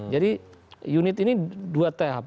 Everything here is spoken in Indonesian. jadi unit ini dua tahap